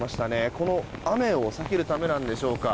この雨を避けるためなんでしょうか。